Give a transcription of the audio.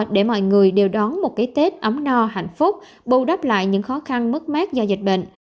để mọi người đều đón một cái tết ấm no hạnh phúc bù đắp lại những khó khăn mất mát do dịch bệnh